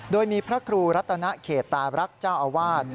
โดยมีพระครูรัตนเขตตารักษ์เจ้าอาวาส